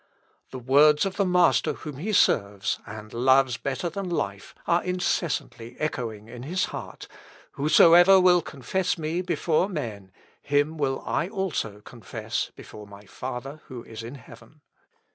The words of the Master whom he serves, and loves better than life, are incessantly echoing in his heart, "_Whosoever will confess me before men, him will I also confess before my Father who is in heaven.